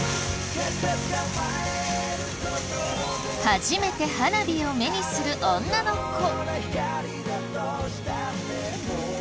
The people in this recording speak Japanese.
初めて花火を目にする女の子。